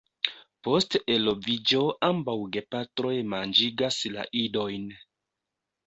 Post eloviĝo ambaŭ gepatroj manĝigas la idojn.